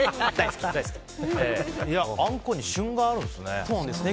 あんこに旬があるんですね。